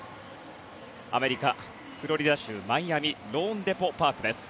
アメリカ・フロリダ州マイアミローンデポ・パークです。